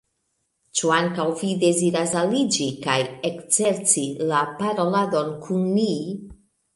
Ĉu ankaŭ vi deziras aliĝi kaj ekzerci la paroladon kun ni?